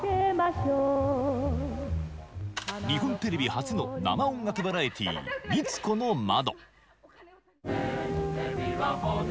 日本テレビ初の生音楽バラエティー、光子の窓。